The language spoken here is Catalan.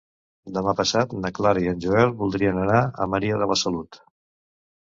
Demà passat na Clara i en Joel voldrien anar a Maria de la Salut.